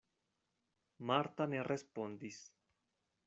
Marta ne respondis.